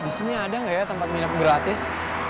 disini ada gak ya tempat minum gratis